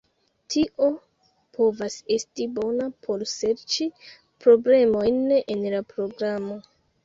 Tio povas esti bona por serĉi problemojn en la programo.